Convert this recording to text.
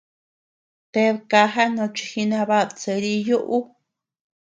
¡Ted kaja nochi jinabad kerillo ú!